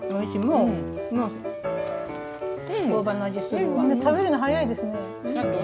みんな食べるの速いですね。